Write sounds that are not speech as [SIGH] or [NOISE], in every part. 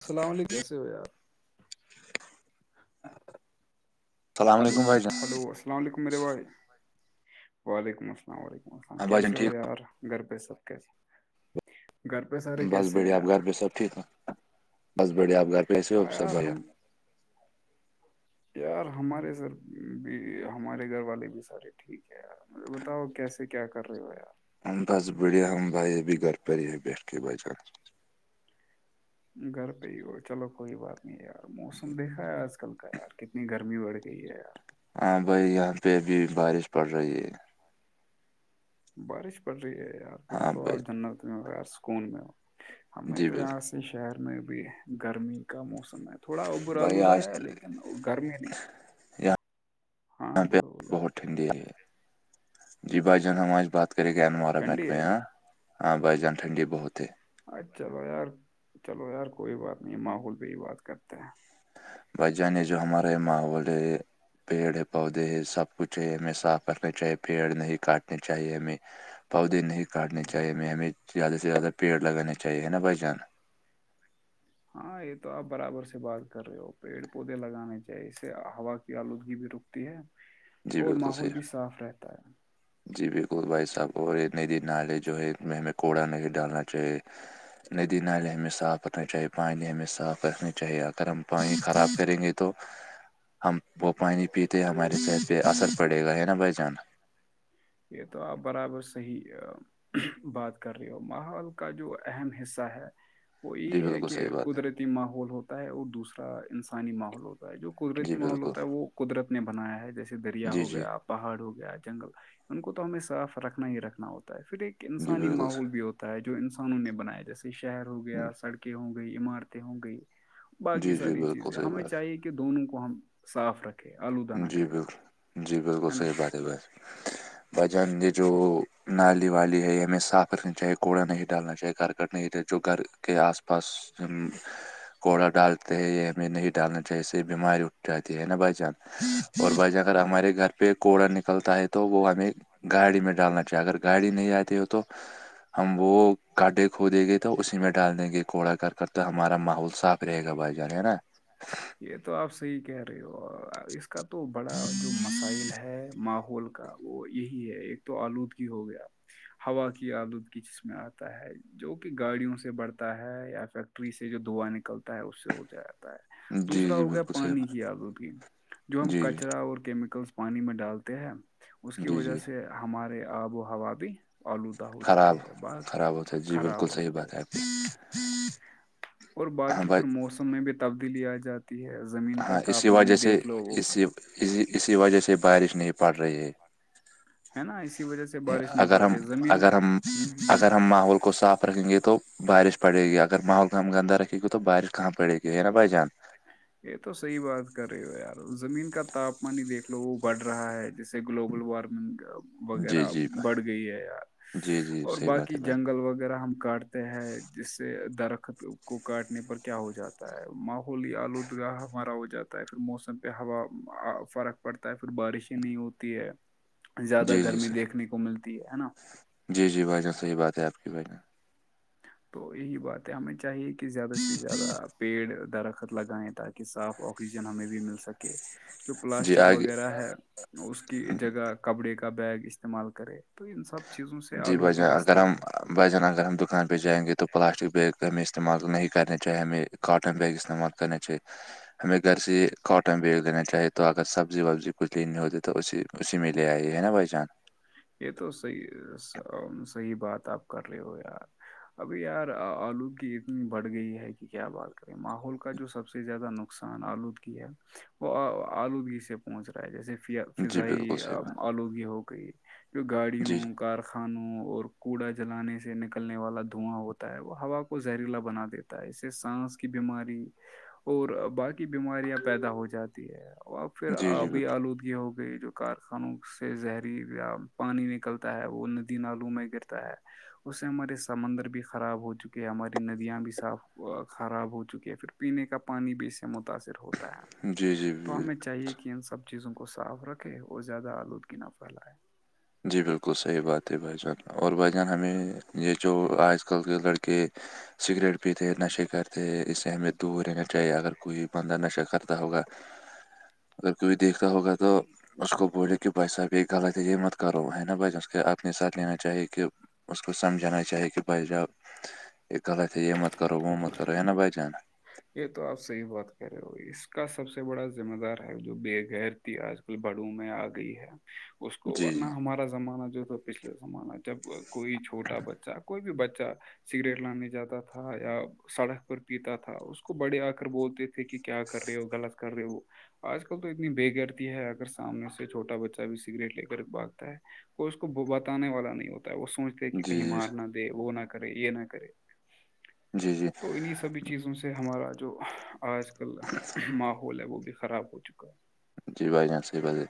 السلام علیکم کیسے ہو یار السلام ہلو علیکم بھائی جان ہلو السلام علیکم میرے بھائی وعلیکم السلام ورحمۃ اللہ ہاں بھائی جان کیسے ہو ٹھیک یار گھر پہ سب کیسے گھر پہ سارے بس کیسے ہیں بڑھیا یار گھر پہ سب ٹھیک ہے بس بڑھیا آپ گھر کیسے ہو ہاں سب یار بھیا ہم یار ہمارے گھر بھی ہمارے گھر والے بھی سارے ٹھیک ہے یار اور بتاؤ کیسے کیا کر رہے ہو یار بس بڑھیا ہم بھائی ابھی گھر پر ہی ہے بیٹھ کے بھائی جان آج گھر پہ ہی ہو چلو کوئی بات نہیں یار موسم دیکھا ہے آج کل کا یار کتنی گرمی بڑھ گئی ہے یار ہاں بھائی یہاں پہ ابھی بارش پڑ رہی ہے بارش پڑ رہی ہے یار پھر ہاں تو بھائی آپ جنت میں ہو یار سکون میں ہو ہمیں جی تو یہاں بالکل سے شہر میں ابھی گرمی کا موسم ہے تھوڑا اوبر بھائی الودہ آج ہیں لیکن گرمی نہیں یہاں ہاں پہ بولو بولو بہت ٹھنڈی ہے جی بھائی جان ہم آج بات کریں گے انوائرمنٹ ٹھنڈی پہ ہے ہاں بھائی جان ٹھنڈی بہت ہے چلو یار چلو یار کوئی بات نہیں ماحول پہ ہی بات کرتے ہیں بھائی جانے یہ جو ہمارا یہ ماحول ہے پیڑ ہے پودے ہے سب کچھ ہے ہمیں صاف رکھنا چاہیے پیڑ نہیں کاٹنے چاہیے ہمیں بچ [INAUDIBLE] پودے نہیں کاٹنے چاہیے ہمیں ہمیں زیادہ سے زیادہ پیڑ لگانے چاہیے ہے نا بھائی جان ہاں یہ تو آپ برابر سے بات کر رہے ہو پیڑ پودے لگانے چاہیے اس سے ہوا کی آلودگی بھی رک ہے جی اور بالکل ماحول صحیح بھی صاف رہتا ہے جی بالکل بھائی صاحب اور ندی نالے جو ہے ان میں ہمیں کوڑا نہیں ڈالنا چاہیے ندی نالے ہمیں صاف رکھنا چاہیے پانی ہمیں صاف رکھنا چاہیے اگر ہم پانی خراب کریں گے تو تو ہم وہ پانی پیتے ہمارے صحت پہ اثر پڑے گا ہے نا بھائی جان یہ تو آپ برابر صحیح بات کر رہی ہو ماحول کا جو اہم حصہ ہے وہ جی یہ ہے بالکل کہ صحیح بات ہے قدرتی ماحول ہوتا ہے اور دوسرا انسانی ماحول ہوتا ہے جو جی قدرتی ماحول بالکل ہوتا ہے وہ قدرت نے بنایا ہے جیسے دریا جی ہو جی گیا پہاڑ ہو گیا جنگل ان کو تو ہمیں صاف رکھنا ہی رکھنا ہوتا ہے پھر ایک جی انسانی ماحول بالکل بھی ہوتا ہے جو انسانوں نے بنایا جیسے شہر ہو گیا سڑکیں ہوں گی گئی عمارتیں ہو گئی باقی جی جی ساری بالکل چیزیں صحیح ہمیں بات چاہیے کہ کہ دونوں کو ہم صاف رکھیں آلودہ نہ جی کریں بالکل جی بالکل صحیح بات ہے بھائی [INAUDIBLE] بھجن یہ جو نالی والی ہے ہمیں صاف رکھنی چاہیے کوڑا نہیں ڈالنا چاہیے گھر کرنے لی جو گھر کے آس پاس کوڑا ڈالتے ہیں یہ ہمیں نہیں ڈالنا چاہیے سے بیماری اٹھ جاتی ہے نا بھائی جان اور بھائی ج ہاں اگر ہاں ہمارے گھر پہ پہ کوڑا نکلتا ہے تو وہ ہمیں گاڑی میں ڈالنا چاہیے اگر گاڑی نہیں آتی ہو تو ہم وہ کڈے کھ دیں گے تو اسی میں ڈال دیں گے کوڑا کر کر تو ہمارا ماحول صاف رہے گا بھائی جان ہے نا یہ تو آپ صحیح کہہ رہے ہو اس کا تو بڑا جو مسئلہ مسائل ہے ماحول کا وہ یہی ہے ایک تو آلودگ ہو گیا ہوا کی آلود کی جسم آتا ہے جو کہ گاڑیوں سے بڑھتا ہے یا فیکٹری سے جو دھواں نکلتا ہے اس سے ہو جائے ہے جی دوسرا جی ہو گیا بالکل صحیح پانی بات کی آلودگی جو ہم جی جی کچرا اور کیمیکلس پانی میں ڈالتے ہیں اس کی جی وجہ جی سے ہمارے آب و ہوا بھی آلودہ ہو چکے خراب ہیں بس خراب ہو چکے ہیں پی اور باقی پھر موسم میں بھی تبدیلی آ جاتی ہے زمین کا ہاں اسی تاپمان ہی وجہ سے دیکھ لو وہ اسی اسی اسی وجہ سے بارش نہیں پڑ رہی ہے ہے نا اسی وجہ سے بارش نہیں اگر پڑ ہم رہی ہے زمین اگر ہم اگر ہم ماحول کو صاف رکھیں گے تو بارش پڑے گی اگر ماحول کو ہم گندہ رکھے گی تو بارش کہاں پڑے گی یہ نا بائی جان یہ تو صحیح بات کر رہے ہو یار زمین کا تاپمان ہی دیکھ لو وہ بڑھ رہا ہے جیسے گلوبل وارمنگ جی وغیرہ جی بھائی بڑھ گئی ہے یار جی جی اور صحیح بات باقی ہے بھائی جنگل وغیرہ ہم کاٹتے ہیں جس سے درخت کو کاٹنے پر کیا ہو جاتا ہے ماف ہولی آلودگاہ ہمارا ہو جاتا ہے پھر موسم پہ ہوا فرق پڑتا ہے پھر بارشیں نہیں ہو ہے زیادہ جی جی گرمی سر دیکھنے کو ملتی ہے نا جی جی بھنان صحیح بات ہے آپ کی بھنہ تو یہی بات ہے ہمیں چاہیے کہ زیادہ سے زیادہ آپ پیڑ درخت لگائیں تاکہ صاف آکسیجن ہمیں بھی مل سکے جو جی پلاسٹک آگے وغیرہ ہے اس کی جگہ کپڑے کا بیگ استعمال کرے تو ان سب چیزوں سے جی الو بھائی کی جان اگر بچتی ہے ہم بھائی جان اگر ہم دکان پہ جائیں گے تو پلاسٹی بیگ میں استعمال نہیں کرنا چاہے ہمیں کاٹن بیگ استعمال کرنا چاہیے [INAUDIBLE] ہمیں گھر سے کاٹن بیگ لینا چاہی تو اگر سبزی وبزی کچھ لینی ہوتی تو اسی اسی میں لے آئیے ہے نا بھائی جان یہ تو صحیح صحی بات آپ کر رہے ہو یار ابھی یار آلودگی اتنی بڑھ گئی ہے کہ کیا بات کریں ماحول کا جو سب سے زیادہ ن نقصان آلودگی ہے وہ آلودگی سے پہنچ رہا ہے جیسے جی بالکل فضائی صحیح بات آلودگی ہو گئی جو جی گاڑیوں کار کھانوں اور کوڑا جلانے سے نکلنے والا دھواں ہوتا ہے وہ ہوا کو زہریلا بنا دیتا ایسے سانس کی بیماری اور باقی بیماریاں پیدا ہو جاتی ہے پھر جی جی آبی بالکل آلودگی ہو گئی جو کارخانوں سے زہری یا پانی نکلتا ہے وہ ندی نالو میں گرتا ہے اس سے ہمارے سمندر بھی خراب ہو چکے ہیں ہماری ندیاں بھی صاف خراب ہو چکی ہے پھر پینے کا پانی بھی اس سے متاثر ہوتا ہے جی جی تو بال- ہمیں چاہیے کہ ان سب چیزوں کو صاف رکھے اور زیادہ آلودگی نہ پھیلائے جی بالکل صحیح بات ہے بھائی جان اور بھائی جان ہمیں یہ جو آج کل کے لڑکے سگریٹ پیتے ہیں نشے کرتے ہیں اس سے ہمیں دور رہنا چاہیے اگر کوئی بندہ نشہ کرتا ہوگا [INAUDIBLE] اگر کوئی دیکھتا ہوگا تو اس کو بولے کہ بھائی صاحب یہ غلط ہے یہ مت کرو ہے نا بھائی جان اس کو اپنے ساتھ لینا چاہیے کہ اس کو سمجھانا چاہیے کہ بھائی جان یہ غلط ہے یہ مت کرو وہ مت کرو ہے نا بھائی جان یہ تو آپ صحیح بات کہہ رہے ہو اس کا سب سے بڑا ذمہ دار ہے جو بے گیر بغیرتی آج کل بڑھوں میں آ گئی ہے اس کو جی ورنہ ہمارا زمانہ جو تھا پچھلے زمانہ جب کوئی چھوٹا بچہ کوئی بھی بچہ سگریٹ لانے جاتا تھا یا سڑک پر پیتا تھا اس کو بڑے آ کر بولتے تھے کہ کیا کر رہے ہو غلط کر رہے ہو آج کل تو اتنی بےغیرتی ہے اگر سامنے سے چھوٹا بچہ بھی سگریٹ لے کر باگتا ہے کوئی اس کو بتانے والا نہیں ہوتا ہے وہ سوچتے کہ جی کہیں جی مار نہ دے وہ نہ کرے یہ نہ کرے جی جی تو انہیں سبھی چیزوں سے ہمارا جو آج کل ماحول ہے وہ بھی خراب ہو چکا [INAUDIBLE] جی بھائی جان صحیح بات ہے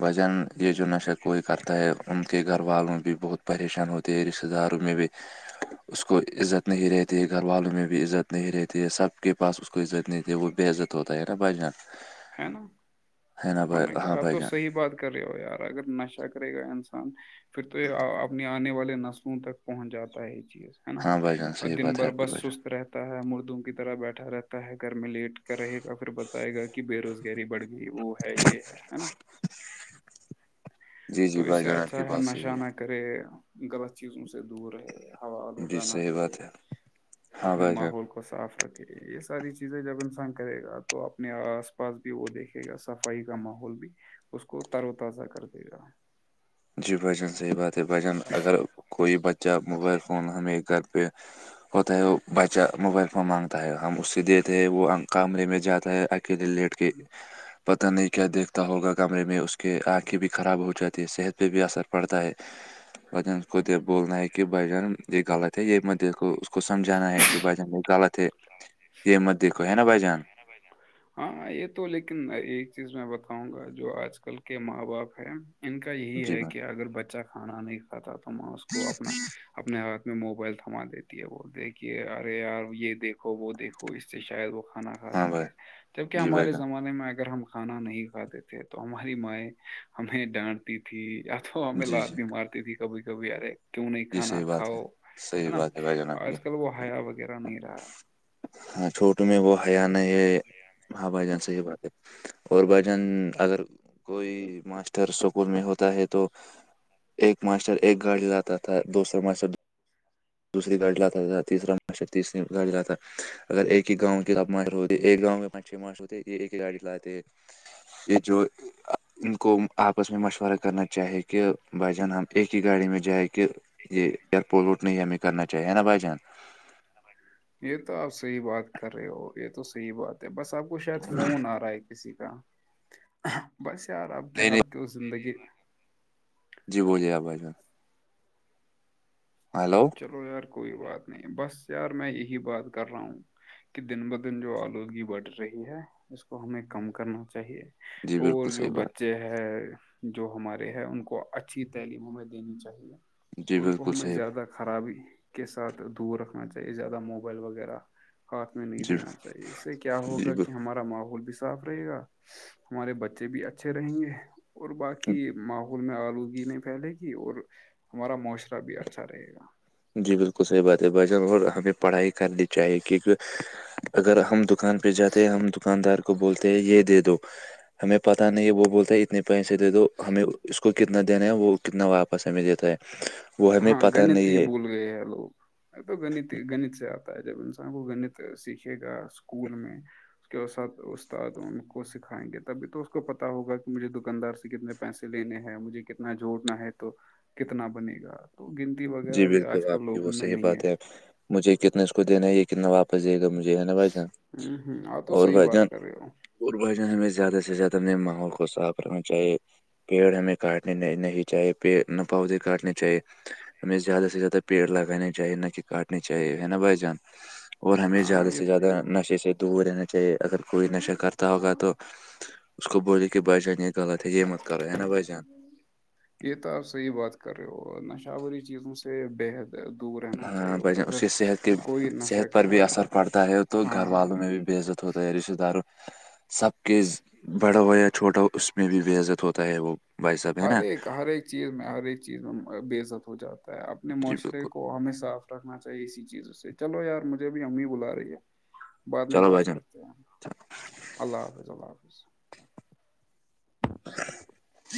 بھائی جان یہ جو نشا کوئی کرتا ہے ان کے گھر والوں بھی بہت پریشان ہوتی ہے رشتہ داروں میں بھی جیی [UNINTELLIGIBLE] اس کو عزت نہیں رہتی ہے گھر والوں میں بھی عزت نہیں رہتی ہے سب کے پاس اس کو عزت نہیں رہتی ہے وہ بے عزت ہوتا ہے نا بھائی جان ہے نا ہے نا بھائی ورنہ ہاں کیا آپ بھائی تو جان صحیح بات کر رہے ہو یار اگر نشہ کرے گا انسان پھر تو یہ اپنے آنے والے نسلوں تک پہنچ جاتا ہے یہ چیز ہے نا ہاں بھائی جان اور صحیح دن بات ہے بھر آپ کی بس بھائی جان سست رہتا مردوں کی طرح بیٹھا رہتا ہے گھر میں لیٹ کر رہے گا پھر بتائے گا کہ بے روزگاری بڑھ گئی وہ ہے یہ ہے ہے نا جی تو جی اس بھائی سے جان آپ کی اچھا ہے بات صحیح نشہ نہ کرے غلط چیزوں سے دور رہے ہوا جی الودہ نہ صحیح کرے بات ہے ہاں اپنے بھائی جان ماحول کو کو صاف رکھے یہ ساری چیزیں جب انسان کرے گا تو اپنے آس پاس بھی وہ دیکھے گا صفائی کا ماحول بھی اس کو تر و تازہ کر دے گا جی بھائی جان صحیح بات ہے بھائی جان اگر کوئی بچہ بچہ موبائل فون ہمیں گھر پہ ہوتا ہے وہ بچہ موبائل فون مانگتا ہے ہم اسے دیتے ہیں وہ کمرے میں جاتا ہے اکیلے لیٹ کے پتہ نہیں کیا دیکھتا ہوگا کمرے میں اس کے آنکھیں بھی خراب ہو جاتی ہے صحت پہ بھی اثر پڑتا ہے بھائی جان اس کو بولنا ہے کہ بھائی جان یہ غلط ہے یہ مت دیکھو اس کو سمجھانا ہے کہ بھائی جان یہ غلط ہے یہ مت دیکھو ہے نا بھائی جان [INAUDIBLE] ہاں یہ تو لیکن ایک چیز میں بتاؤں گا جو آج کل کے ماں باپ ہے ان کا یہی جی ہے بھائی کہ اگر بچہ کھانا نہیں کھاتا تو ماں اس کو اپنا اپنے ہاتھ میں موبائل تھما دیتی ہے وہ دیکھیے ارے یار یہ دیکھو وہ دیکھو اس سے شاید وہ کھانا کھا ہاں بھائی سکے جبکہ جی بھائی ہمارے جان زمانے میں اگر ہم کھانا نہیں کھاتے تھے تو ہماری مائیں ہمیں ڈانٹ تی تھی یا تو ہمیں جی لات جی بھی مارتی تھی کبھی کبھی ارے کیوں نہیں جی کھانا صحیح بات ہے کھاؤ ہے صحیح نا بات بھائی جان آپ کی آج کل وہ ہیا وغیرہ نہیں رہا ہے ہاں چھوٹ میں وہ حیاان ہے ماں بھائی جان سے یہ باتیں اور بھجان اگر کوئی ماسٹر سکول میں ہوتا ہے تو ایک ماسٹر ایک گاڑی لاتا تھا دوسر ماسٹر دوسری گاڑی لاتا تھا تیسرا ماشر تیسری گاڑی لاتا ہے اگر ایک ہی گاؤں کی آب ماہر ہوتی یہ ایک گاؤں میں پانچ چھ ماس ہوتے یہ ایک ایک گاڑی لاتے یہ جو [INAUDIBLE] ان کو آپس میں مشورہ کرنا چاہی کہ بھائی جان ہم ایک ہی گاڑی میں جائ کے یہ ایئر پولوٹ نہیں ہمیں کرنا چاہیے نا بھائی جان یہ تو آپ صحیح بات کر رہے ہو یہ تو صحیح بات ہے بس آپ کو شاید فون آ رہا ہے کسی کا بس یار آپ نہیں کیا نہیں آپ کے زندگی جی بولیے آپ بائیان ہیلو و یار کوئی بات نہیں بس یار میں یہی بات کر رہا ہوں کہ دن ب دن جو آلودگی بڑھ رہی ہے اس کو ہمیں کم کرنا چاہیے جی اور بالکل جو صحیح بات بچے ہے جو ہمارے ہے ان کو اچھی تعلیم ہمیں دینی چاہیے جی ان کو بالکل ہمیں صحیح زیادہ خرابی کے ساتھ دور رکھنا چاہیے زیادہ موبائل وغیرہ ہاتھ میں نہیں جی جی دینا چاہیے اس سے کیا ہوگا بالکل کہ ہمارا ماحول بھی صاف رہے گا ہمارے بچے بھی اچھے رہیں گے اور باقی ماحول ان میں آلودگی نہیں پھیلے گی اور ہمارا معاشرہ بھی اچھا رہے گا جی بالکل صحیح بات ہے ب جان اور ہمیں پڑھائی کرنی چاہیے کیونکہ اگر ہم دکان پہ جاتے ہیں ہم دکاندار کو بولتے ہیں یہ دے دو ہمیں پت نہیں ہے وہ بولتا اپنے پیسے دے دو ہمیں اس کو کتنا دینا ہے وہ کتنا واپس ہمیں دیتا ہے وہ ہمیں پتہ نہیں ہے ئے لو تو گ گت سے آپ تا جب انسان کو گنت سیکھے گا اسکول میں اس کے اسد استاد ان کو سکھائیں گے تبھی تو اس کو پتا ہوگا کہ مجھے دکاندار سے کتنے پیسے لینے ہیں مجھے کتنا جوھڑنا ہے تو کتنا بنے گا تو گنتی ہو جی بالکل آپ کی وہ صحی بات ہے مجھے کتنا اس کو دینا ہے یہ کتنااپ پ جے گ مجے نا بھائی ہ ہ ہاں تو اور صحیح بھائی بات کر رہے ہو اور بھجان ہمیں زیادہ سے زیادہ اپنے ماحول کو صاف رکھنا چاہیے پیڑ ہمیں کاٹنے نہیں چاہیے پ پودے کاٹنے چاہیے [UNINTELLIGIBLE] ہمیں زیادہ سے زیادہ پڑگانا چاہی ن کہ کاٹ نی چاہیے ہے نا بھائی جان اور ہمیں ہاں زیادہ یہ سے زیادہ نشے سے دور رہنا چاہے اگر کوئی نشہ کرتا ہوگا تو اس کو بولی کے ب جانی غلط ہے جیمت کرو ہے نا بھائی جان یہ تو آپ صحیح بات کر رہے ہو نشہوری چیزوں سے بےحد دور رہنا چاہیے ہاں بھائی اور جان اس اگر کی صحت کی کوئی نشہ صحت پر کر بھی رہا اثر پڑتا ہے تو گھر ہاں والوں میں بھی بےزت تھوتا رشتہ داروں سب کے بڑا ہو یا چھوٹا ہو اس میں بھی بے عزت ہوتا ہے وہ بھائی صاحب ہے ہر نا ایک ہر ایک چیز میں ہر ایک چیز میں بے عزت ہو جاتا ہے اپنے جی معاشرے بالکل کو ہمیشہ رکھنا چاہیے اسی چیزوں سے چلو یار مجھے بھی امی بلا رہی ہے بعد میں چلو بھائی بات جان کرتے اللہ حافظ اللہ حافظ [INAUDIBLE]